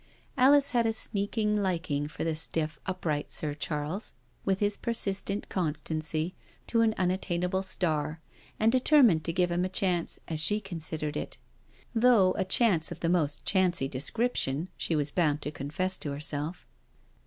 Alice had a sneaking liking for the stiff, upright Sir Charles, with his persistent constancy to an unattainable star; and determined to give him a chance, as she considered it— though a chance of the most chancy description, she was bound to confess to herself.